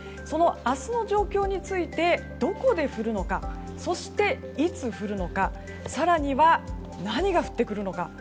その明日の状況についてどこで降るのかそして、いつ降るのか更には何が降ってくるのか。